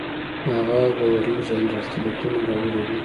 هغه ګورنرجنرال ته لیکونه راوړي وو.